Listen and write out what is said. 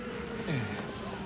ええ。